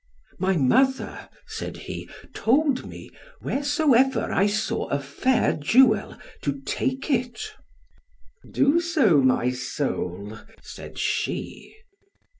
"My mother," said he, "told me, wheresoever I saw a fair jewel, to take it." "Do so, my soul," said she.